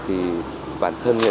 thì bản thân như là